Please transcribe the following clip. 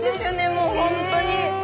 もう本当に。